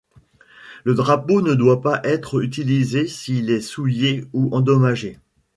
Le drapeau ne doit pas être utilisé s'il est souillé ou endommagé.